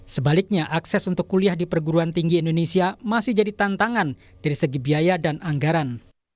sebaliknya akses untuk kuliah di perguruan tinggi indonesia masih jadi tantangan dari segi biaya dan anggaran